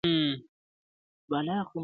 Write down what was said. په عین و شین و قاف کي هغه ټوله جنتونه,